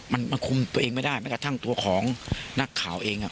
มันคุมตัวเองไม่ได้แม้กระทั่งตัวของนักข่าวเอง